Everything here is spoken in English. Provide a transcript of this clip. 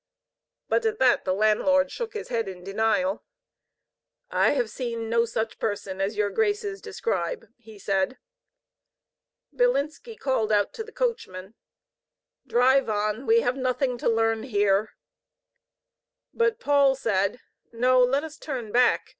But at that the landlord shook his head in denial. "I have seen no such person as your graces describe," he said. Bilinski called out to the coachman: "Drive on. We have nothing to learn here." But Paul said: "NQ let us turn back.